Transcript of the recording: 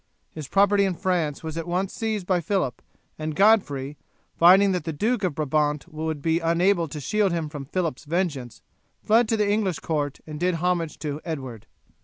His property in France was at once seized by Phillip; and Godfrey, finding that the Duke of Brabant would be unable to shield him from Phillip's vengeance, fled to the English court, and did homage to Edward.